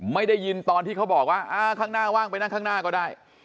ไม่ได้ยินตอนที่เขาบอกว่าข้างหน้าว่างไปนั่งข้างหน้าก็ได้